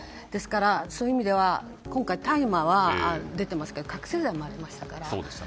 そういう意味では大麻は出てますが覚醒剤もありましたからね。